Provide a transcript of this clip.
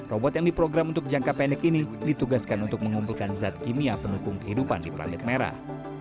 robot yang diprogram untuk jangka pendek ini ditugaskan untuk mengumpulkan zat kimia pendukung kehidupan di planet merah